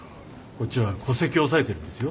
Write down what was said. こっちは戸籍を押さえてるんですよ。